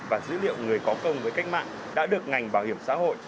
và dữ liệu người có công với cách mạng đã được ngành bảo hiểm xã hội